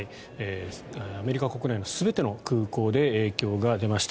アメリカ国内の全ての空港で影響が出ました。